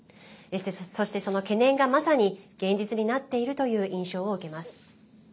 そしてその懸念が、まさに現実になっているという印象を受けます。